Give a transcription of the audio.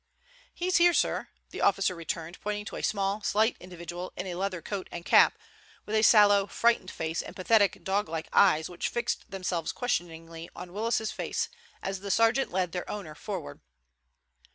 "He's here, sir," the officer returned, pointing to a small, slight individual in a leather coat and cap, with a sallow, frightened face and pathetic, dog like eyes which fixed themselves questioningly on Willis's face as the sergeant led their owner forward.